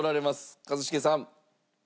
一茂さん。